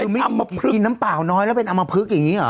กินน้ำเปล่าน้อยแล้วเป็นอัมพลึกอย่างนี้หรอ